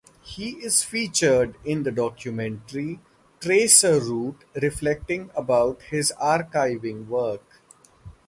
He is featured in the documentary Traceroute reflecting about his archiving work.